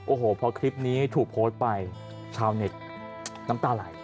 โอ้โหพอคลิปนี้ถูกโพสต์ไปชาวเน็ตน้ำตาไหล